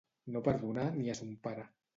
No perdonar ni a son pare.